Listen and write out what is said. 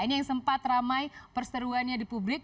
ini yang sempat ramai perseteruannya di publik